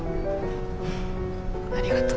ありがと。